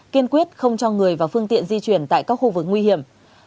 kiên quyết không cho người và phương tiện di chuyển tại các khu vực nguy hiểm